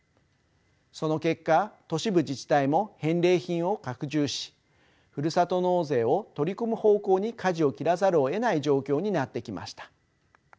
その結果都市部自治体も返礼品を拡充しふるさと納税を取り込む方向にかじを切らざるをえない状況になってきました。